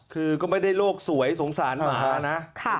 คือก็ไม่ได้โลกสวยสงสารหมานะ